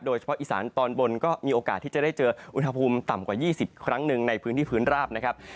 อีสานตอนบนก็มีโอกาสที่จะได้เจออุณหภูมิต่ำกว่า๒๐ครั้งหนึ่งในพื้นที่พื้นราบนะครับ